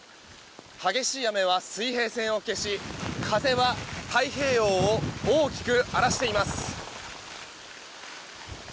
激しい雨は水平線を消し風は太平洋を大きく荒らしています。